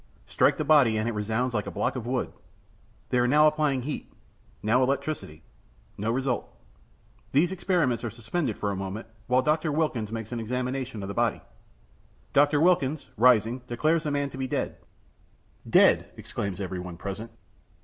Strike the body and it resounds like a block of wood. They are now applying heat; now electricity. No result. These experiments are suspended for a moment while Dr. Wilkins makes an examination of the body. Dr. Wilkins, rising, declares the man to be dead. 'Dead!' exclaims every one present.